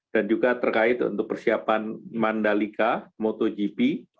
dan juga terkait untuk persiapan mandalika motogp